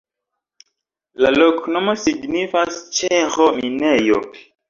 La loknomo signifas ĉeĥo-minejo.